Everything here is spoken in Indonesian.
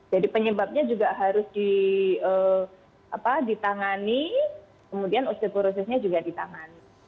jadi penyebabnya juga harus ditangani kemudian osteoporosisnya juga ditangani